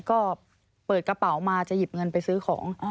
ก็เปิดกระเป๋ามาจะหยิบเงินไปซื้อของ